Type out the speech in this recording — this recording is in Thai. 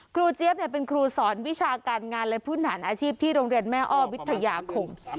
เจี๊ยบเป็นครูสอนวิชาการงานและพื้นฐานอาชีพที่โรงเรียนแม่อ้อวิทยาคม